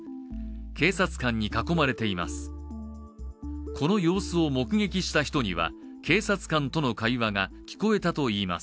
警察官に囲まれています。